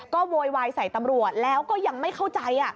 ก็โวยวายใส่ตำรวจแล้วก็ยังไม่เข้าใจ